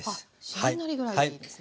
しんなりぐらいでいいですね。